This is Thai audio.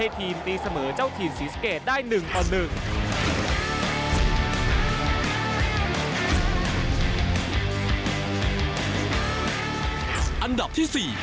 ทีมตีเสมอเจ้าทีมสีสเกดได้๑ต่อ๑